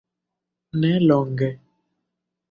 Ne longe.